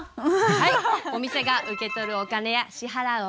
はい。